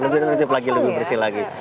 lebih tertib lagi lebih bersih lagi